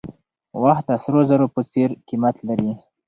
وخت د سرو زرو په څېر قیمت لري.